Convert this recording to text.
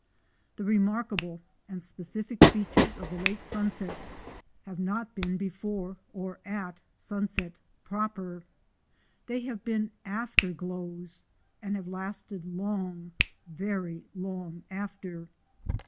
The re markable and specific features of the late sunsets have not been before or at sunset proper : they have been after glows, and have lasted long, very long, after.